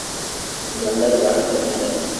ژوندي له باران سره مینه لري